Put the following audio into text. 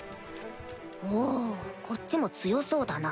おぉこっちも強そうだな